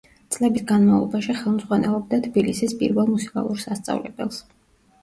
წლების განმავლობაში ხელმძღვანელობდა თბილისის პირველ მუსიკალურ სასწავლებელს.